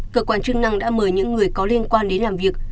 cơ quan chức năng đã mời những người có liên quan đến làm việc